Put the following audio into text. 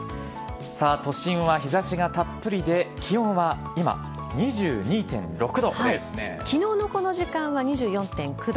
都心は日差しがたっぷりで、気温は今昨日のこの時間は２４．９度。